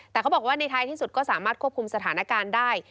แต่เขาบอกว่าในท้ายที่สุดก็สามารถควบคุมสถานการณ์ได้